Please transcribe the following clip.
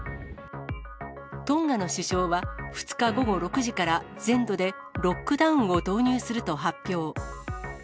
トンガの首相は、２日午後６時から全土でロックダウンを導入すると発表。